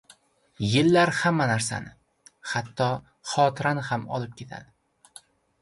Yillar hamma narsani, hatto xotirani ham olib ketadi.